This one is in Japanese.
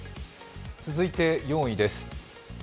続いて４位です。